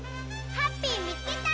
ハッピーみつけた！